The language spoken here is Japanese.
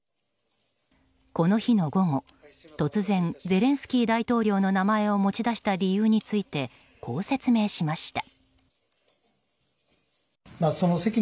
この日の午後、突然ゼレンスキー大統領の名前を持ち出した理由についてこう説明しました。